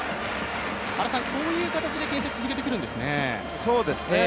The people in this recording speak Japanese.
原さん、こういう形でけん制、続けてくるんですね。